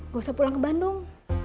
gak usah pulang ke bandung